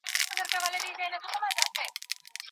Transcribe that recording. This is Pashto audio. مه پرېږدئ چي ناپوهي خپره سي.